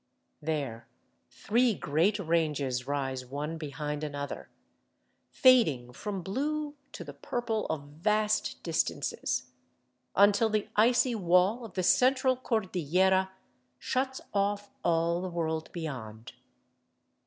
There three great ranges rise one behind another, fading from blue to the purple of vast distances, until the icy wall of the Central Cordillera shuts off all the world beyond.